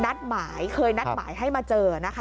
นัดหมายเคยนัดหมายให้มาเจอนะคะ